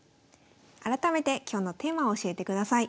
改めて今日のテーマを教えてください。